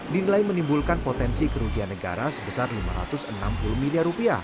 dinilai menimbulkan potensi kerugian negara sebesar rp lima ratus enam puluh miliar